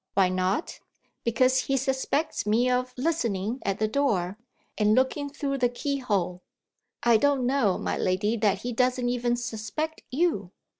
"Why not?" "Because he suspects me of listening at the door, and looking through the keyhole. I don't know, my lady, that he doesn't even suspect You.